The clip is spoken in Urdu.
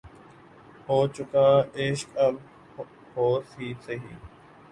ہو چکا عشق اب ہوس ہی سہی